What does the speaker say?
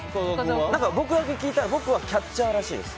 僕だけ聞いたら僕はキャッチャーらしいです。